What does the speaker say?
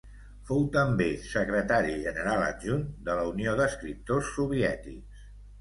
Fou també Secretari General Adjunt de la Unió d'Escriptors Soviètics.